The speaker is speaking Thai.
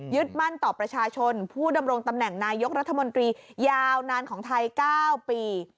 มั่นต่อประชาชนผู้ดำรงตำแหน่งนายกรัฐมนตรียาวนานของไทย๙ปี